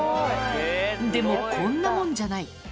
でも、こんなもんじゃない。